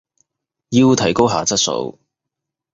要提高下質素